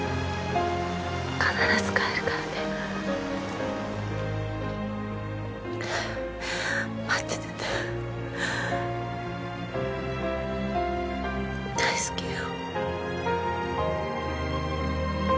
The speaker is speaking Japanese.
必ず帰るからね待っててね大好きよ